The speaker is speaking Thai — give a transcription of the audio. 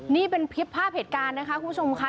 นี่เป็นคลิปภาพเหตุการณ์นะคะคุณผู้ชมค่ะ